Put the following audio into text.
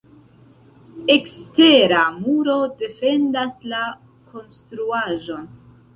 Ekstera muro defendas la konstruaĵon.